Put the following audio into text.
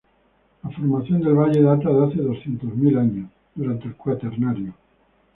La formación del valle data de hace doscientos mil años, durante el cuaternario.